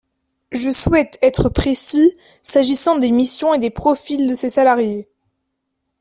Je souhaite être précis s’agissant des missions et des profils de ces salariés.